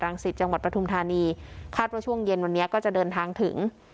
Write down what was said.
สิตจังหวัดปฐุมธานีคาดว่าช่วงเย็นวันนี้ก็จะเดินทางถึง